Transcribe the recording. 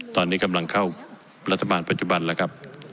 ตอนนี้กำลังเข้ารัฐบาลปัจจุบันแล้วครับ